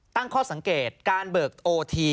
ตั้งข้อสังเกตการเบิกโอที